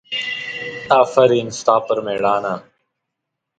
افرین ستا پر مېړانه!